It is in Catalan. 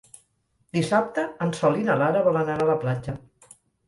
Dissabte en Sol i na Lara volen anar a la platja.